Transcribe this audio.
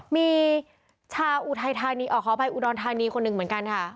มีชาอุดอนทานีคนหนึ่งเหมือนกันค่ะ